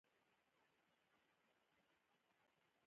ملي بیرغ هم د ده په صدارت کې نافذ شو.